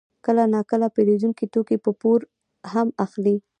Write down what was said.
کله ناکله پېرودونکي توکي په پور هم اخلي